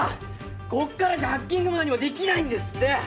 こっからじゃハッキングも何もできないんですって！